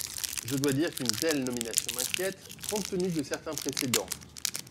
Je dois dire qu’une telle nomination m’inquiète, compte tenu de certains précédents.